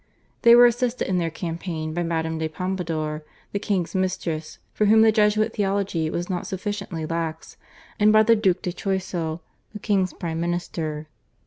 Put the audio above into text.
They were assisted in their campaign by Madame de Pompadour, the king's mistress, for whom the Jesuit theology was not sufficiently lax, and by the Duc de Choiseul, the king's prime minister.